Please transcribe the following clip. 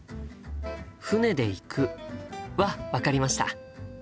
「船で行く」は分かりました。